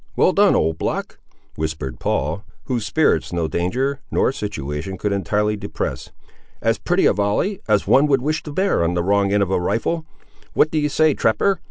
well done, old block!" whispered Paul, whose spirits no danger nor situation could entirely depress. "As pretty a volley, as one would wish to bear on the wrong end of a rifle! What d'ye say, trapper!